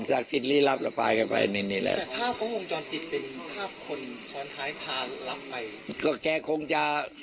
อเจมส์คิดว่าใครพาเงียกไปกันหรือเปล่า